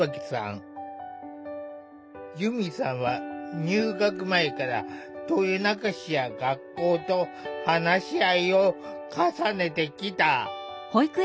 佑美さんは入学前から豊中市や学校と話し合いを重ねてきた。